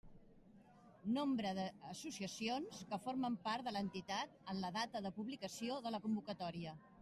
Nombre d'associacions que formen part de l'entitat en la data de publicació de la convocatòria.